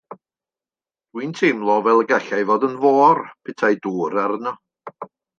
Dw i'n teimlo fel y gallai fod yn fôr, petai dŵr arno.